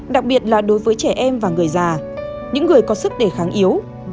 đặc biệt là đối với trẻ em và người già những người có sức đề kháng yếu